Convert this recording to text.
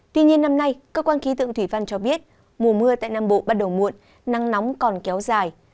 tuy nhiên năm nay cơ quan khí tượng thủy văn cho biết mùa mưa tại nam bộ bắt đầu muộn nắng nóng còn kéo dài